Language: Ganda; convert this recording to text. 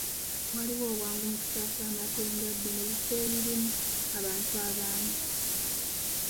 Waliwo obwangu mu kusaasaana kw'endwadde mu bifo ebirimu abantu abangi.